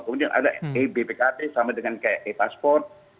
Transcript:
kemudian ada e bpkb sama dengan e pasport